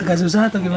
agak susah atau gimana